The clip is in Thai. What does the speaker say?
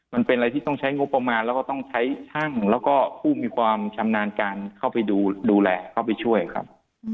มันเป็นอะไรที่ต้องใช้งบประมาณแล้วก็ต้องใช้ช่างแล้วก็ผู้มีความชำนาญการเข้าไปดูแลเข้าไปช่วยครับ